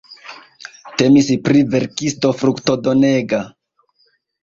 Temis pri verkisto fruktodonega.